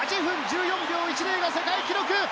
８分１４秒１０が世界記録。